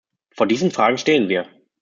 Vor diesen Fragen stehen wir.